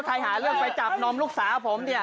หาเรื่องไปจับนมลูกสาวผมเนี่ย